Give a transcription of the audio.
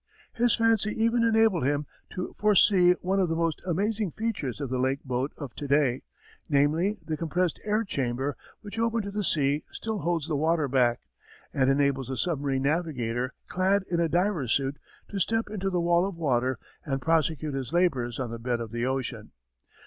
His fancy even enabled him to foresee one of the most amazing features of the Lake boat of to day, namely the compressed air chamber which opened to the sea still holds the water back, and enables the submarine navigator clad in a diver's suit to step into the wall of water and prosecute his labors on the bed of the ocean.